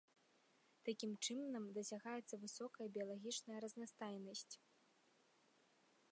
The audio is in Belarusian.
Такім чынам дасягаецца высокая біялагічная разнастайнасць.